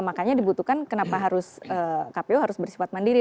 makanya dibutuhkan kenapa harus kpu harus bersifat mandiri